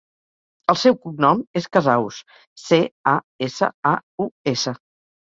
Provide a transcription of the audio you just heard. El seu cognom és Casaus: ce, a, essa, a, u, essa.